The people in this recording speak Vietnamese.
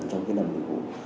trong cái nằm lịch vụ